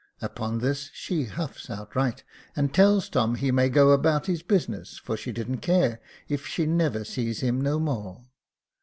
Upon this she huffs outright, and tells Tom he may go about his business, for she didn't care if she never sees him no more.